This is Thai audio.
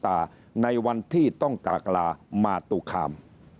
ในวันที่ต้องกากลามาตุคาม